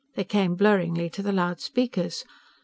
They came blurringly to the loud speakers.